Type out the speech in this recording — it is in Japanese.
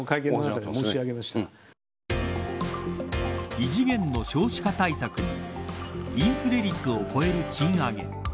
異次元の少子化対策にインフレ率を超える賃上げ。